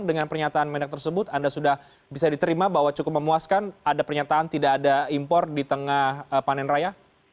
dengan pernyataan mendak tersebut anda sudah bisa diterima bahwa cukup memuaskan ada pernyataan tidak ada impor di tengah panen raya